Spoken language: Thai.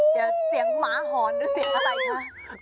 เดี๋ยวเสียงหมาหอนหรือเสียงอะไรคะ